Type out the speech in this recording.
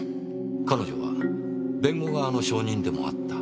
彼女は弁護側の証人でもあった。